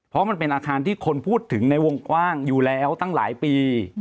เพราะมันเป็นอาคารที่คนพูดถึงในวงกว้างอยู่แล้วตั้งหลายปี